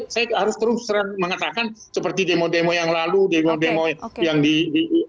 saya harus terus mengatakan seperti demo demo yang lalu demo demo yang ditemukan anak anak remaja yang tidak bisa mencari kepentingan seksual